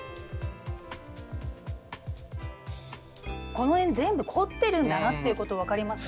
この辺全部凝ってるんだなっていうこと分かりますね。